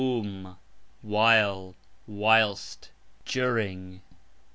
dum : while, whilst, during.